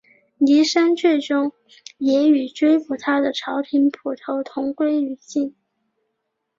倪三最终也与追捕他的朝廷捕头同归于尽。